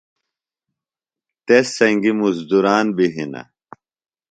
تس سنگیۡ مُزدُران بیۡ ہِنہ۔